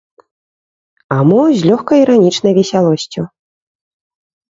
А мо з лёгка-іранічнай весялосцю.